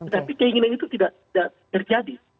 tapi keinginan itu tidak terjadi